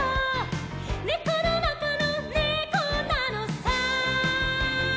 「ねこのなかのねこなのさ」